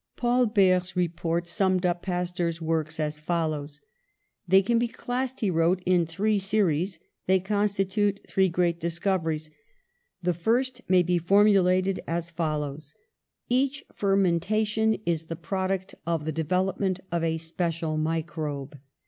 Paul Bert's report summed up Pasteur's works as follows: "They can be classed," he wrote, "in three series; they constitute three great discoveries: "The first may be formulated as follows: 154 PASTEUR Each fermentation is the product of the devel opment of a special microbe.